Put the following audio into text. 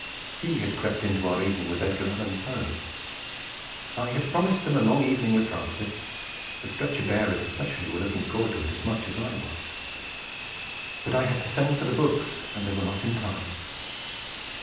He had crept into our evening with Edgar Allan Poe. I had promised them a long evening with Francis; the stretcher bearers, especially, were looking forward to it as much as I was; but I had to send for the books, and they were not in time.